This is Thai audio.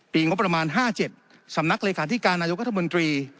ปีงบประมาณ๕๗สำนักเลขาธิการนายกรัฐมนตรี